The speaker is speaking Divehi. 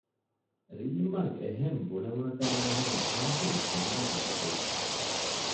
ރީމްއަށް އެހެން ބުނެވުނުތަނާހެން ހާޝިމް ފުންމައިގެން ތެދުވި